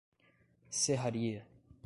Serraria